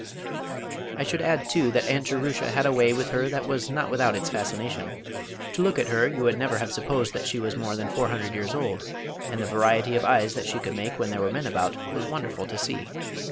I should add too that Aunt Jerusha had a way with her that was not without its fascination. To look at her you would never have supposed that she was more than four hundred years old, and the variety of eyes that she could make when there were men about, was wonderful to see.